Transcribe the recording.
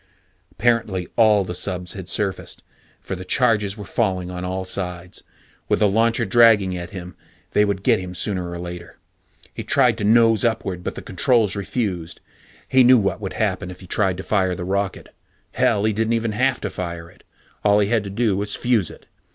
Apparently all the subs had surfaced, for the charges were falling on all sides. With the launcher dragging at him, they would get him sooner or later. He tried to nose upward, but the controls refused. He knew what would happen if he tried to fire the rocket. Hell, he didn't have to fire it. All he had to do was fuse it.